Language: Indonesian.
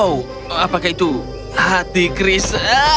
oh apakah itu hati chris